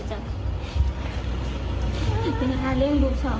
สาวคิดถึงจ้ะ